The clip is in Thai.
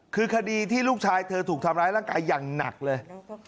คือคดีที่ลูกชายเธอถูกทำร้ายร่างกายอย่างหนักเลย